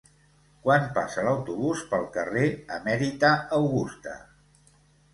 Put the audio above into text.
Quan passa l'autobús pel carrer Emèrita Augusta?